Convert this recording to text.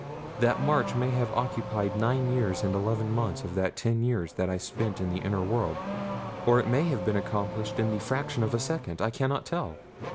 That march may have occupied nine years and eleven months of the ten years that I spent in the inner world, or it may have been accomplished in the fraction of a second I cannot tell.